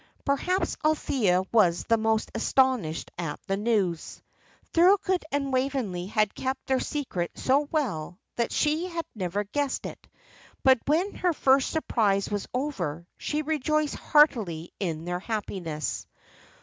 Perhaps Althea was the most astonished at the news. Thorold and Waveney had kept their secret so well that she had never guessed it; but when her first surprise was over, she rejoiced heartily in their happiness.